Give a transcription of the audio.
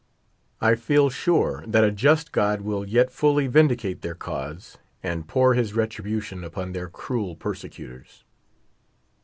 I feel sure that a just God Vfill yet fully vindicate their cause, and pour his retribution upon their cruel persecutors.